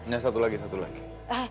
hanya satu lagi satu lagi